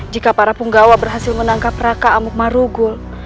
jika para punggawa berhasil menangkap raka amuk marugul